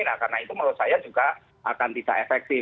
nah karena itu menurut saya juga akan tidak efektif